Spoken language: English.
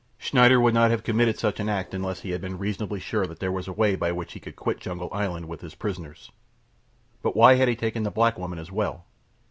Schneider would not have committed such an act unless he had been reasonably sure that there was a way by which he could quit Jungle Island with his prisoners. But why had he taken the black woman as well?